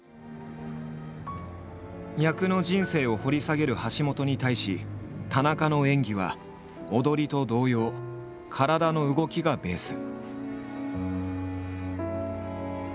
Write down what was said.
役の人生を掘り下げる橋本に対し田中の演技は踊りと同様「体の動き」がベース。